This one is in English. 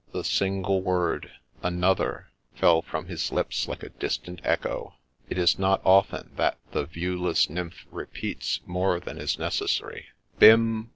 The single word, ' Another !' fell from his lips like a distant echo ;— it is not often that the viewless nymph repeats more than is necessary. ' Bim